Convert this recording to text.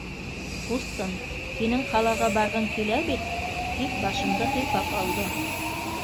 Ҡустым, һинең ҡалаға барғың килә бит? — тип башымды һыйпап алды.